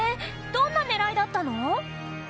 どんな狙いだったの？